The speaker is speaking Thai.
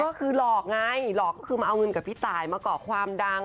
ก็คือหลอกไงหลอกก็คือมาเอาเงินกับพี่ตายมาก่อความดัง